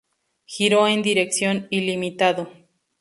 Giro en dirección ilimitado.